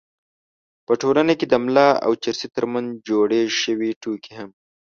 په ټولنه کې د ملا او چرسي تر منځ جوړې شوې ټوکې هم